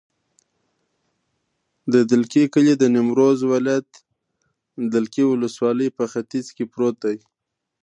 د دلکي کلی د نیمروز ولایت، دلکي ولسوالي په ختیځ کې پروت دی.